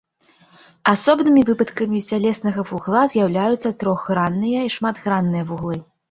Асобнымі выпадкамі цялеснага вугла з'яўляюцца трохгранныя і шматгранныя вуглы.